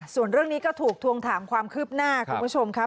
ส่วนเรื่องนี้ก็ถูกทวงถามความคืบหน้าคุณผู้ชมครับ